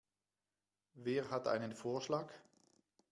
Wer hat einen Vorschlag?